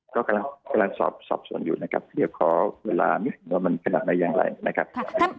ก็กำลังสอบส่วนอยู่นะครับเดี๋ยวขอเวลามันขนาดนั้นอย่างไรนะครับ